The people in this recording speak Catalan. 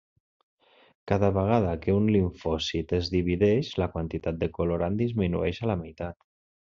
Cada vegada que un limfòcit es divideix la quantitat de colorant disminueix a la meitat.